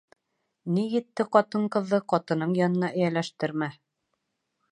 Ни етте ҡатын-ҡыҙҙы ҡатының янына эйәләштермә.